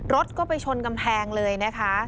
รถก็ไปชนกำแพงเลยนะคะ